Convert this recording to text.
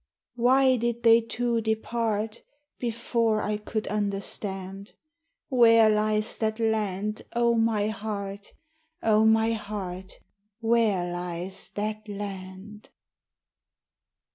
Why did they two depart Before I could understand? Where lies that land, O my heart? O my heart, where lies that land?